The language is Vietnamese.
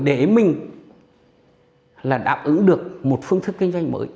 để mình đáp ứng được một phương thức kinh doanh mới